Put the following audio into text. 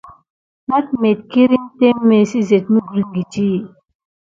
Nat migurin témé sisene məglekini.